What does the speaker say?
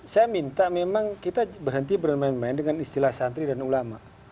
saya minta memang kita berhenti bermain main dengan istilah santri dan ulama